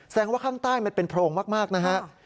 ว่าข้างใต้มันเป็นโพรงมากนะฮะ